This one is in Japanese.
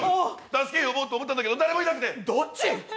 助け呼ぼうと思ったんだけど、誰もいなくて。